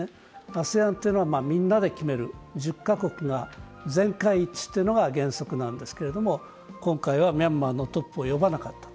ＡＳＥＡＮというのは、みんなで決める、１０カ国が全会一致というのが原則なんですけど今回はミャンマーのトップを呼ばなかった。